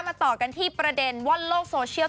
ต่อกันที่ประเด็นว่อนโลกโซเชียล